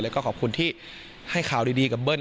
แล้วก็ขอบคุณที่ให้ข่าวดีกับเบิ้ล